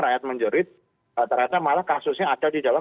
rakyat menjerit ternyata malah kasusnya ada di dalam